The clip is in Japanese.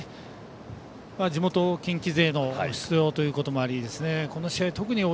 地元の近畿勢の出場ということもあり